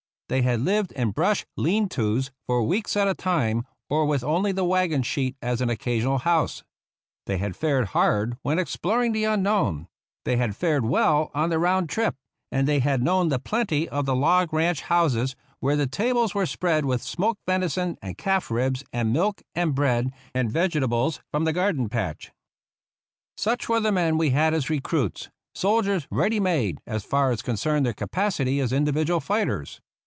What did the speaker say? They had lived in brush lean tos for weeks at a time, or with only the wagon sheet as an occasional house. They had fared 28 RAISING THE REGIMENT hard when exploring the unknown; they had fared well on the round up ; and they had known the plenty of the log ranch houses, where the tables were spread with smoked venison and calf ribs and milk and bread, and vegetables from the garden patch. Such were the men we had as recruits : soldiers ready made, as far as concerned their capacity as individual fighters.